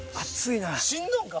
死んどんか？